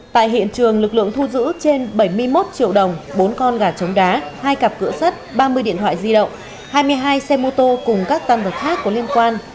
tại hiện trường lực lượng thu giữ trên bảy mươi một triệu đồng bốn con gà chống đá hai cặp cửa sắt ba mươi điện thoại di động hai mươi hai xe mô tô cùng các tăng vật khác có liên quan